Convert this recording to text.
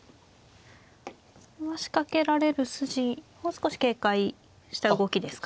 これは仕掛けられる筋を少し警戒した動きですか。